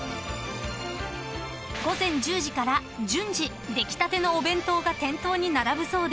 ［午前１０時から順次出来たてのお弁当が店頭に並ぶそうで］